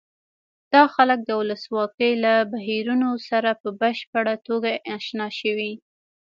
دا خلک د ولسواکۍ له بهیرونو سره په بشپړه توګه اشنا شوي.